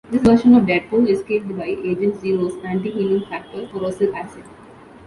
This version of Deadpool is killed by Agent Zero's Anti-Healing Factor corrosive acid.